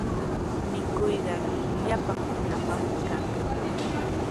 Mikuyqa llapan runapaqmi kanqa.